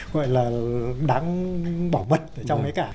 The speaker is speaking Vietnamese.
gọi là đáng bỏ mặt trong cái cả